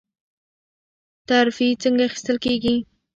ترفیع څنګه اخیستل کیږي؟